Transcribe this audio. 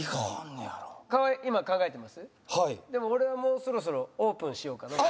でも俺はもうそろそろオープンしようかなと。